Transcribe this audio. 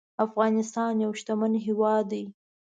افغانستان يو شتمن هيواد دي